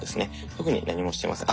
特に何もしてません。